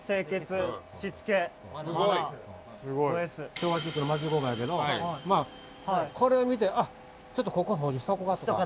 昭和チックの町工場やけどまあこれを見て「ちょっとここ掃除しとこうか」とか。